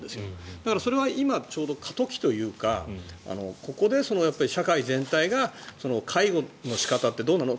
だから、それは今ちょうど過渡期というかここで社会全体が介護の仕方ってどうなの？